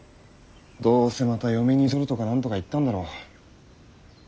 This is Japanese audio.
どうせまた嫁に取るとか何とか言ったんだろう。